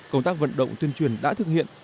công tác vận động tuyên truyền đã thực hiện